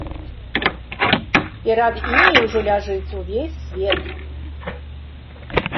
Перад імі ўжо ляжыць увесь свет.